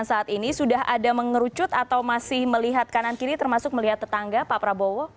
saat ini sudah ada mengerucut atau masih melihat kanan kiri termasuk melihat tetangga pak prabowo